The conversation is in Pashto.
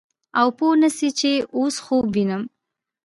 او پوه نه سې چې اوس خوب وينم.